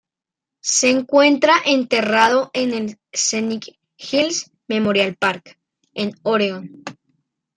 Se encuentra enterrado en el Scenic Hills Memorial Park, en Oregón.